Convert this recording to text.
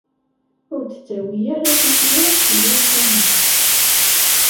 Ur d-ttawi ara tifyar si yal tama.